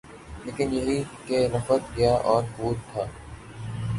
لیکن یہی کہ رفت، گیا اور بود تھا